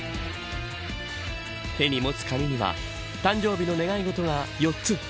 手に持つ紙には誕生日の願い事が４つ。